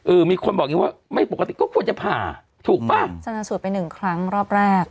มีคนบอกอย่างงี้ว่าไม่ปกติก็ควรจะผ่าถูกป่ะชนะสูตรไปหนึ่งครั้งรอบแรก